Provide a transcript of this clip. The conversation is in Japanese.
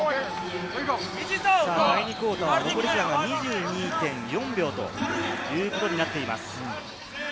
第２クオーターは残り時間が２２．４秒ということになっています。